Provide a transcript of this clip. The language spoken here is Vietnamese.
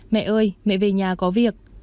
mẹ ơi mẹ về nhà có việc